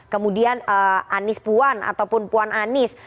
kemudian anis puan ataupun puan anis